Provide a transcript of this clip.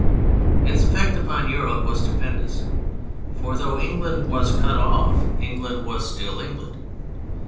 Its effect upon Europe was stupendous; for, though England was cut off, England was still England.